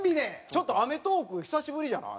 ちょっと『アメトーーク』久しぶりじゃない？